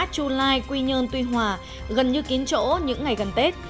chu lai quy nhơn tuy hòa gần như kín chỗ những ngày gần tết